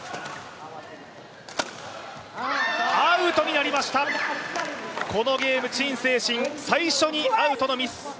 アウトになりました、このゲーム、陳清晨、最初にアウトのミス。